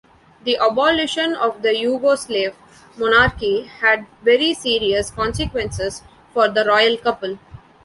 The abolition of the Yugoslav monarchy had very serious consequences for the royal couple.